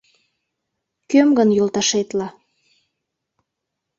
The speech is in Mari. Кöм гын йолташетла